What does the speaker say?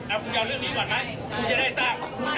เอาคุณเอาเรื่องนี้ก่อนไหมคุณจะได้ทราบ